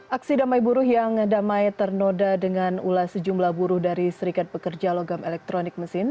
aksi damai buruh yang damai ternoda dengan ulas sejumlah buruh dari serikat pekerja logam elektronik mesin